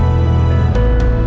kamu dari tadi